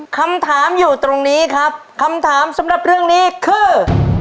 คำถามอยู่ตรงนี้ครับคำถามสำหรับเรื่องนี้คือ